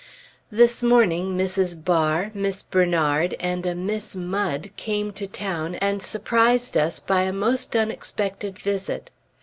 This morning Mrs. Bar, Miss Bernard, and a Miss Mud came to town and surprised us by a most unexpected visit.